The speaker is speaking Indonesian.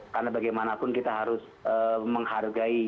karena bagaimanapun kita harus menghargai